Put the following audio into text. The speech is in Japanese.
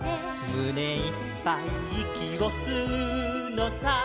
「むねいっぱいいきをすうのさ」